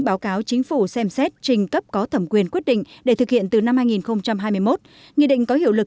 báo cáo chính phủ xem xét trình cấp có thẩm quyền quyết định để thực hiện từ năm hai nghìn hai mươi một nghị định có hiệu lực